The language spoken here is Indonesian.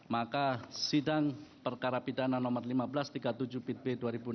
maka sidang perkara pidana nomor seribu lima ratus tiga puluh tujuh bitb dua ribu enam belas